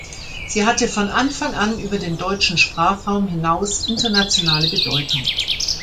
Sie hatte von Anfang an über den deutschen Sprachraum hinaus internationale Bedeutung.